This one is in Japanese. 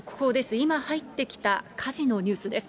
今入ってきた火事のニュースです。